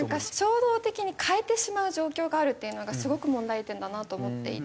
衝動的に買えてしまう状況があるっていうのがすごく問題点だなと思っていて。